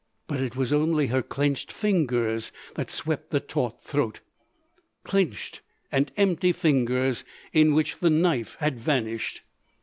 But it was only her clenched fingers that swept the taut throat—clenched and empty fingers in which the knife had vanished.